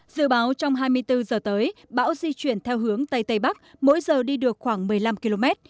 dự báo trong hai mươi bốn giờ tới bão di chuyển theo hướng tây tây bắc mỗi giờ đi được khoảng một mươi năm km